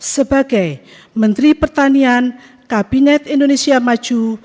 sebagai menteri pertanian kabinet indonesia maju